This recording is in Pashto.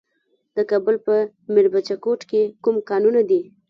د کابل په میربچه کوټ کې کوم کانونه دي؟